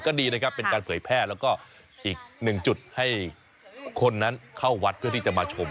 ก็ดีนะครับเป็นการเผยแพร่แล้วก็อีกหนึ่งจุดให้คนนั้นเข้าวัดเพื่อที่จะมาชม